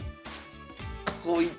こういった。